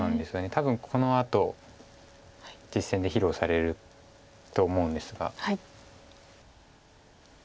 多分このあと実戦で披露されると思うんですが。